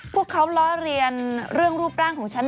พวกเขาล้อเรียนเรื่องรูปร่างของฉัน